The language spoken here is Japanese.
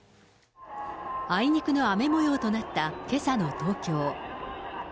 あいにくの雨もようとなったけさの東京。